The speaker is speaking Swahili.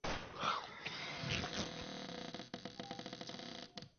Mwaka uliofuata Idhaa ya Kiswahili ya Sauti ya Amerika ilizindua matangazo ya moja kwa moja